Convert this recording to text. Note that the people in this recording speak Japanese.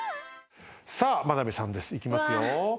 さあ眞鍋さんですいきますよ。